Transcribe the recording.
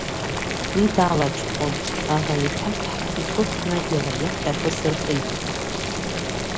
Уи далаҽхәон, аӷа иҳәаҭҳа ихыхны иара иахь ахы сырхеит ҳәа.